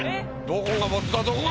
どこが！